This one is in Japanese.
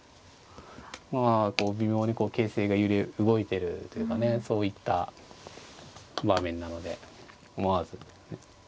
まあこう微妙に形勢が揺れ動いてるというかねそういった場面なので思わず。